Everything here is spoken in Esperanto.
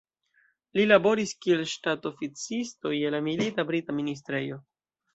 Li laboris, kiel ŝtatoficisto je la milita brita ministrejo.